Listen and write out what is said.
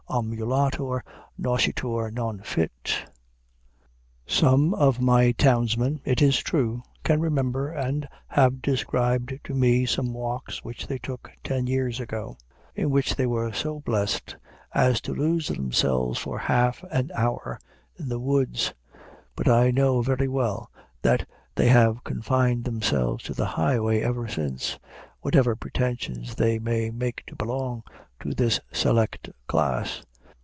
Ambulator nascitur, non fit. Some of my townsmen, it is true, can remember and have described to me some walks which they took ten years ago, in which they were so blessed as to lose themselves for half an hour in the woods; but I know very well that they have confined themselves to the highway ever since, whatever pretensions they may make to belong to this select class.